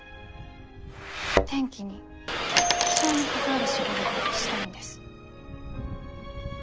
天気に気象に関わる仕事がしたいんです。